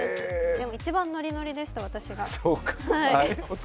でも私が一番ノリノリでした。